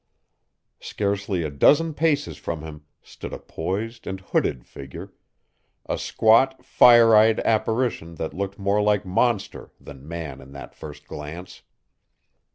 Scarcely a dozen paces from him stood a poised and hooded figure, a squat, fire eyed apparition that looked more like monster than man in that first glance.